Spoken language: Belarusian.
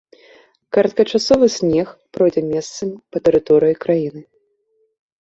Кароткачасовы снег пройдзе месцамі па тэрыторыі краіны.